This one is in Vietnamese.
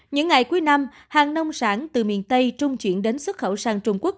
những ngày cuối năm hàng nông sản từ miền tây trung chuyển đến xuất khẩu sang trung quốc